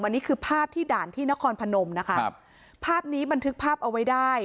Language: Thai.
อันนี้คือภาพที่ด่านที่นครพนมนะคะครับภาพนี้บันทึกภาพเอาไว้ได้